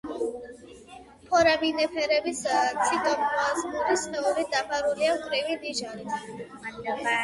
ფორამინიფერების ციტოპლაზმური სხეული დაფარულია მკვრივი ნიჟარით.